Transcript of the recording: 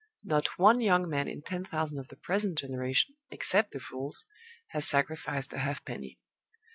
Not one young man in ten thousand of the present generation, except the fools, has sacrificed a half penny.